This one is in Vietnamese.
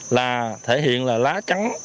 là thể hiện là lá trắng